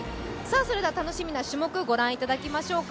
それでは楽しみな種目、ご覧いただきましょうか。